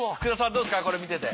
どうですかこれ見てて。